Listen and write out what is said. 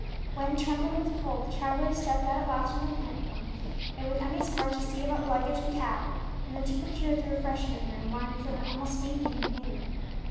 When, trembling with cold, the travellers stepped out at last on the platform, it was Emmie's part to see about luggage and cab, and then to procure at the refreshment room wine for her almost fainting companion.